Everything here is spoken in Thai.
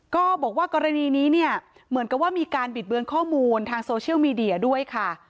ก็บอกว่ากรณีนี้เนี่ยเหมือนกับว่ามีการบิดเบือนข้อมูลทางโซเชียลมีเดียด้วยค่ะ